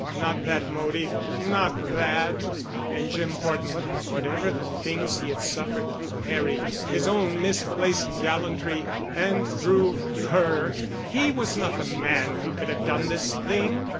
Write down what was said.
Not that motive—not that! And Jim Horton—whatever the things he had suffered through Harry, his own misplaced gallantry, and through her, he was not the man who could have done this thing.